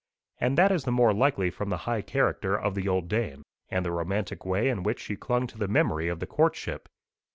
And that is the more likely from the high character of the old dame, and the romantic way in which she clung to the memory of the courtship.